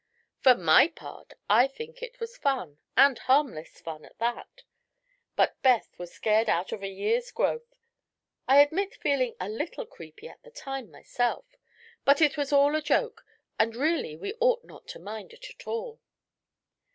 "For my part, I think it was fun, and harmless fun, at that; but Beth was scared out of a year's growth. I admit feeling a little creepy at the time, myself; but it was all a joke and really we ought not to mind it at all."